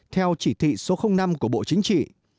theo chỉ thị số năm của bộ chính trị